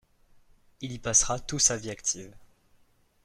Il y passera tout sa vie active.